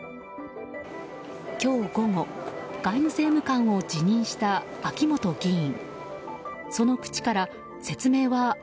今日午後外務政務官を辞任した秋本議員。